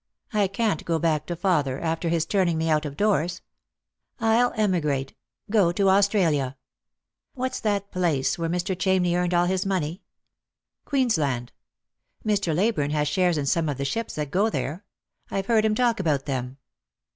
I can't go back to father, after his turning me out of doors. I'll emigrate — go to Australia. What's that place where Mr Chamney earned all his money ? Queensland. Mr. Leyburne has shares in some of the ships that go there. I've heard him talk about them.